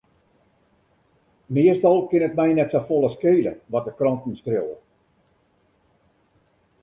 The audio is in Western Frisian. Meastal kin it my net safolle skele wat de kranten skriuwe.